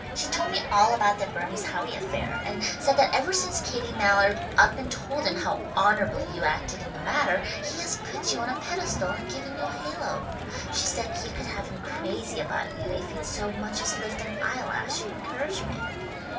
She told me all about that Bernice Howe affair, and said that ever since Katie Mallard up and told him how honourably you acted in the matter, he has put you on a pedestal and given you a halo. She said you could have him crazy about you if you'd so much as lift an eyelash in encouragement."